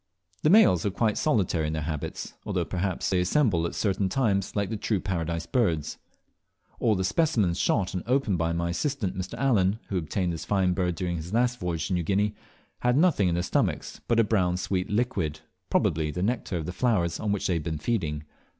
The males are quite solitary in their habits, although, perhaps, they assemble at pertain times like the true Paradise Birds. All the specimens shot and opened by my assistant Mr. Allen, who obtained this fine bird during his last voyage to New Guinea, had nothing in their stomachs but a brown sweet liquid, probably the nectar of the flowers on which they had been feeding.